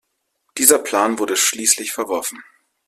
Dieser Plan wurde schließlich verworfen.